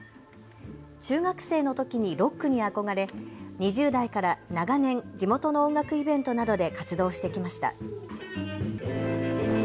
中学生のときにロックに憧れ２０代から長年、地元の音楽イベントなどで活動してきました。